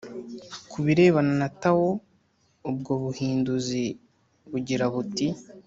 ku birebana na tao, ubwo buhinduzi bugira buti